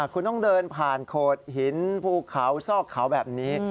คุณต้องเดินผ่านโขดหินภูเขาซอกเขาแบบนี้